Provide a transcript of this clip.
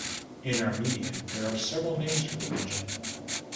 In Armenian, there are several names for the region.